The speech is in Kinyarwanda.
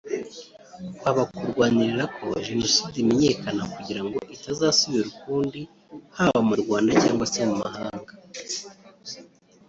kwaba kurwanira ko Jenoside imenyekana kugira ngo itazasubira ukundi haba mu Rwanda cyangwa se mu mahanga